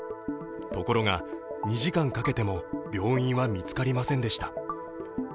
ところが２時間かけても病院は見つかりませんでした。